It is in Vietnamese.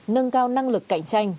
nâng cao năng lực cạnh tranh